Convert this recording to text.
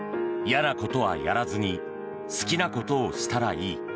嫌なことはやらずに好きなことをしたらいい。